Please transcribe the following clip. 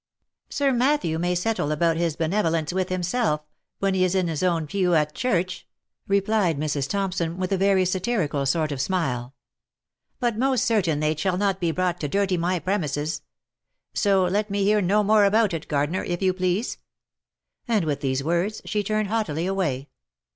" Sir Matthew may settle about his benevolence with himself, when he is in his own pew at church," replied Mrs. Thompson, with a very satirical sort of smile ; "but most certainly it shall not be brought to dirty my premises ; so let me hear no more about it, gar dener, if you please." And with these words, she turned haughtily away.